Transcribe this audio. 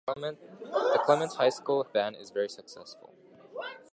The Clements High School Band is very successful.